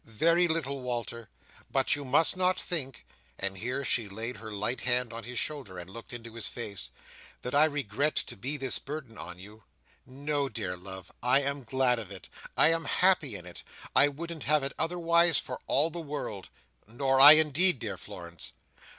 very little, Walter! But, you must not think," and here she laid her light hand on his shoulder, and looked into his face, "that I regret to be this burden on you. No, dear love, I am glad of it. I am happy in it. I wouldn't have it otherwise for all the world!" "Nor I, indeed, dear Florence."